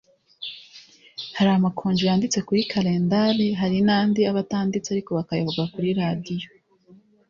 hari amakonji yanditse kuri kalindari, hari n‘andi aba atanditse ariko bakayavuga kuri radiyo,